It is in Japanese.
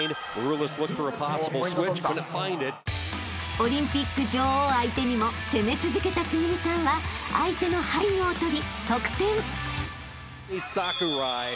［オリンピック女王相手にも攻め続けたつぐみさんは相手の背後を取り得点］